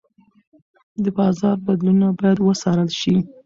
د بازار بدلونونه باید وڅارل شي.